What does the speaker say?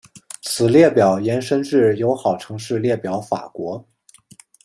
此列表延伸至友好城市列表法国。